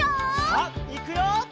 さあいくよ！